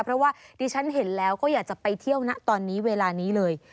เพราะว่าดิฉันเห็นแล้วก็อยากจะไปเที่ยวนะตอนนี้เวลานี้เลย